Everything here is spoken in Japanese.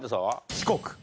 四国。